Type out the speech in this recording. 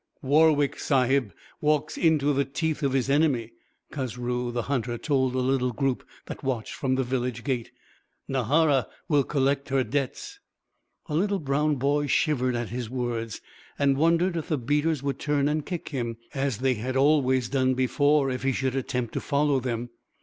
"Warwick Sahib walks into the teeth of his enemy," Khusru, the hunter, told a little group that watched from the village gate. "Nahara will collect her debts." A little brown boy shivered at his words and wondered if the beaters would turn and kick him, as they had always done before, if he should attempt to follow them.